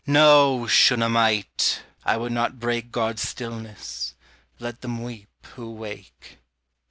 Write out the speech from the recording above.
No, Shunamite! I would not break God's stillness. Let them weep who wake.